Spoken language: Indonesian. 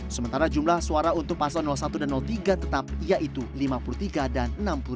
sementara jumlah suara untuk pasal satu dan tiga tetap yaitu lima puluh tiga dan enam puluh tujuh